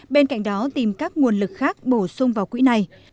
bên cạnh đó tìm các nguồn lực khác bổ sung vào quỹ này